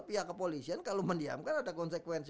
pihak kepolisian kalau mendiamkan ada konsekuensi